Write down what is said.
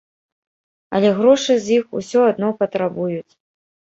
Але грошы з іх усё адно патрабуюць.